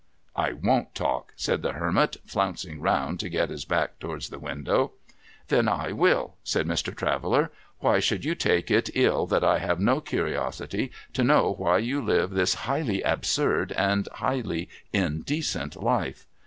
' I won't talk,' said the Hermit, flouncing round to get his back towards the window. ' Then I will,' said Mr. Traveller. ' Why should you take it ill that I have no curiosity to know why you live this highly absurd and highly indecent life